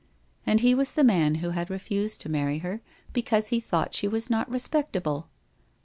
And he was the man who had refused to marry her, because he thought she was not respectable!